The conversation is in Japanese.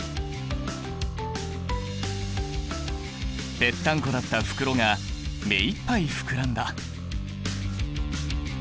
ペッタンコだった袋が目いっぱい膨らんだ！